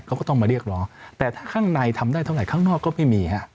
เขาก็ต้องมาเรียกร้องแต่ถ้าข้างในทำได้เท่าไหข้างนอกก็ไม่มีฮะ